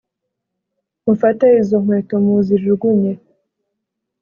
Mufate izo nkweto muzi jugunye